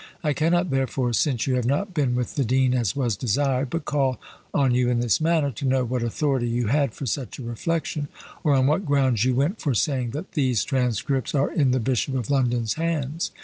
I cannot, therefore, since you have not been with the dean as was desired, but call on you in this manner, to know what authority you had for such a reflection; or on what grounds you went for saying that these transcripts are in the Bishop of London's hands.